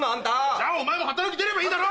じゃあお前も働きに出ればいいだろ！